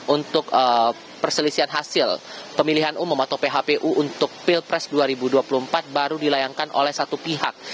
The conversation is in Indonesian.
untuk perselisihan hasil pemilihan umum atau phpu untuk pilpres dua ribu dua puluh empat baru dilayangkan oleh satu pihak